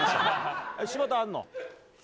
柴田あるの？